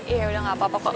iya udah gak apa apa kok